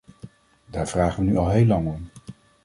Daar vragen we nu al heel lang om.